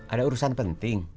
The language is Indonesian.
ada urusan penting